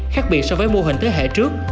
khác biệt so với mô hình thế hệ trước